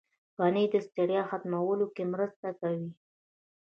پنېر د ستړیا ختمولو کې مرسته کوي.